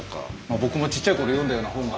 僕もちっちゃい頃読んだような本が。